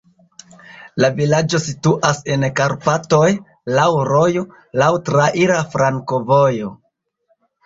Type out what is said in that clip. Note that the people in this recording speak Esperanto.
La vilaĝo situas en Karpatoj, laŭ rojo, laŭ traira flankovojo.